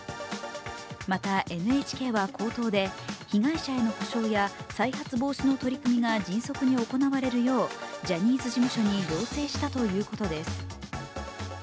またＮＨＫは口頭で被害者への補償は再発防止の取り組みが迅速に行われるようジャニーズ事務所に要請したということです。